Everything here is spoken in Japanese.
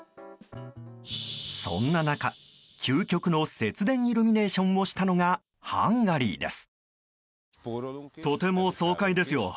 そんな中、究極の節電イルミネーションをしたのがハンガリーです。